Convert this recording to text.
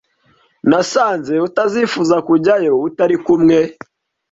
Nasanze utazifuza kujyayo utari kumwe.